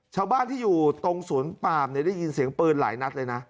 ชาวบ้านที่อยู่ตรงสวนปามได้ยินเสียงปืนหลายนัดเลยนะ